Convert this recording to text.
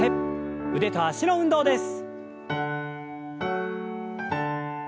腕と脚の運動です。